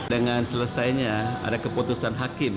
dengan selesainya ada keputusan hakim